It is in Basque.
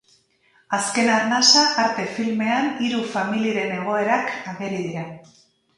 Azken arnasa arte filmean hiru familiren egoerak ageri dira.